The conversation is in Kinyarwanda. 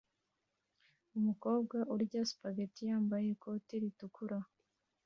Umukobwa urya spaghetti yambaye ikoti ritukura